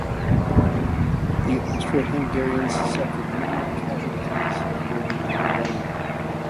The Austro-Hungarians suffered minimal casualties during the rebellion.